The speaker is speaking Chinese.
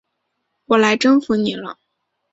我来征服你了！